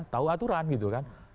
tahu aturan gitu kan